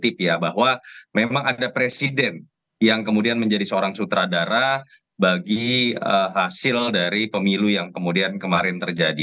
tip ya bahwa memang ada presiden yang kemudian menjadi seorang sutradara bagi hasil dari pemilu yang kemudian kemarin terjadi